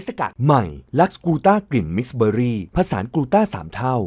สกูต้ากลิ่นมิกซ์เบอรี่ผสานกูต้าสามเท่า